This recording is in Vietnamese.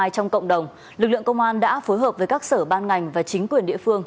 trong cộng đồng lực lượng công an đã phối hợp với các sở ban ngành và chính quyền địa phương